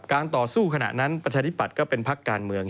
การต่อสู้ขนาดนั้นประชาธิบัตรก็เป็นภาคการเมือง